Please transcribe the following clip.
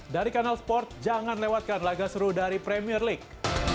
dari kanal sport jangan lewatkan laga seru dari premier league